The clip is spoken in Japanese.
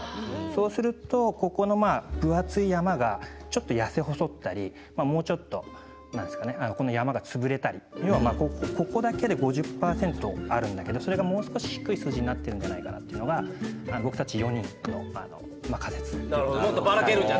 そうすると、ここの分厚い山がちょっと痩せ細ったりもうちょっと山が潰れたりここだけで５０％あるんだけどそれがもう少し低い数字になってるんじゃないかというのが僕たちの仮説です。